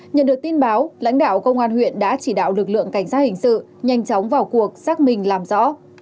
nhận được tin báo lãnh đạo công an huyện đã chỉ đạo lực lượng cảnh sát hình sự nhanh chóng vào cuộc xác minh làm rõ